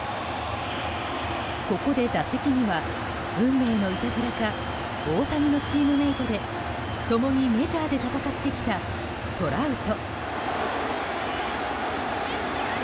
ここで打席には運命のいたずらか大谷のチームメートで共にメジャーで戦ってきたトラウト。